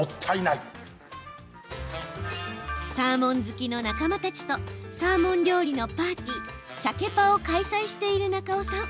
サーモン好きの仲間たちとサーモン料理のパーティーシャケパを開催している中尾さん。